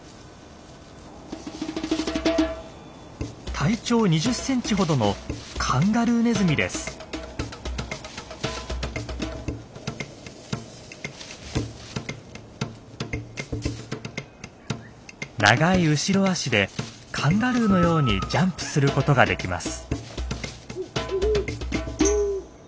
体長２０センチほどの長い後ろ足でカンガルーのようにジャンプすることができます。